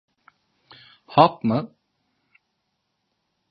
Hap mı?